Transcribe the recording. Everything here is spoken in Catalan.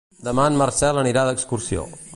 Demà en Marcel anirà d'excursió.